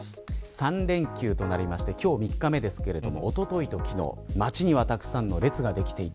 ３連休になりまして今日、３日目ですけどおとといと、昨日街にはたくさんの列ができていた。